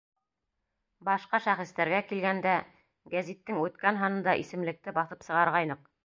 Башҡа шәхестәргә килгәндә, гәзиттең үткән һанында исемлекте баҫып сығарғайныҡ.